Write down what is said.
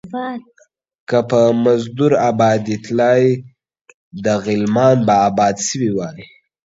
که په مزدور ابآتيدلاى ، ده غلامان به ابات سوي واى.